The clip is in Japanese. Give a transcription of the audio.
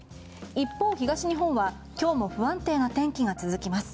一方、東日本は今日も不安定な天気が続きます。